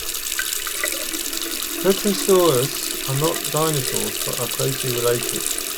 Pterosaurs are not dinosaurs but are closely related.